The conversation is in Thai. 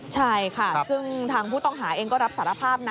ใช่ค่ะซึ่งทางผู้ต้องหาเองก็รับสารภาพนะ